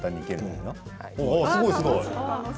すごい、すごい。